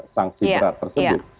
sanksi berat tersebut